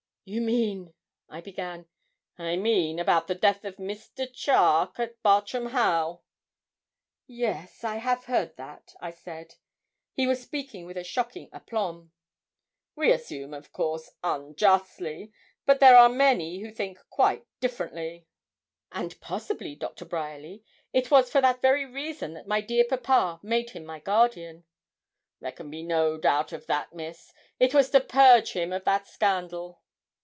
'You mean' I began. 'I mean about the death of Mr. Charke, at Bartram Haugh.' 'Yes, I have heard that,' I said; he was speaking with a shocking aplomb. 'We assume, of course, unjustly; but there are many who think quite differently.' 'And possibly, Doctor Bryerly, it was for that very reason that my dear papa made him my guardian.' 'There can be no doubt of that, Miss; it was to purge him of that scandal.'